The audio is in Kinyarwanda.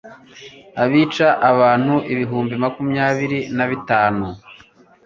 ahica abantu ibihumbi makumyabiri na bitanu